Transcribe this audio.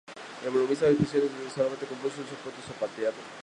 El violinista español Pablo Sarasate compuso un famoso Zapateado.